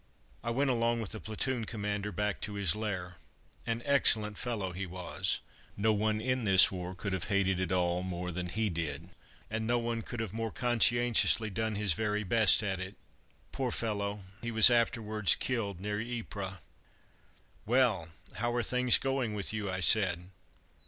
I went along with the platoon commander back to his lair. An excellent fellow he was. No one in this war could have hated it all more than he did, and no one could have more conscientiously done his very best at it. Poor fellow, he was afterwards killed near Ypres. "Well, how are things going with you?" I said.